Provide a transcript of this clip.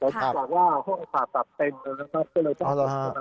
และฉากากกว่าห้องอาสาบตัดเต็มนะครับ